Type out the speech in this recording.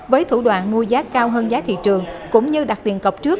với thủ đoạn mua giá cao hơn giá thị trường cũng như đặt tiền cọc trước